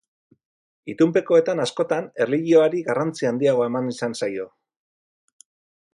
Itunpekoetan askotan erlijioari garrantzi handiagoa eman izan zaio.